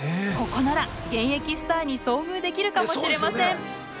ここなら現役スターに遭遇できるかもしれません。